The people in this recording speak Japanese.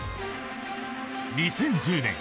２０１０年